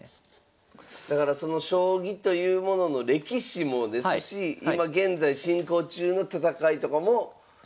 だからその将棋というものの歴史もですし今現在進行中の戦いとかも全部面白いわけですね。